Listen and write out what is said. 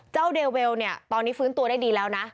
เจ้าเดเวลตอนนี้ฟื้นตัวได้ดีแล้วนะ